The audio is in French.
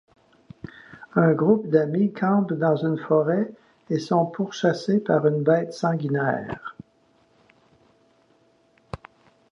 Un groupe d'amis campent dans une forêt et sont pourchassés par une bête sanguinaire.